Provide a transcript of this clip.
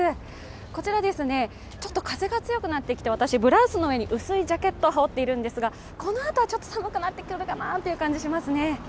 こちら、ちょっと風が強くなってきて、ブラウスの上に薄いジャケットを羽織っているんですがこのあとはちょっと寒くなってくるかなという感じがしますね。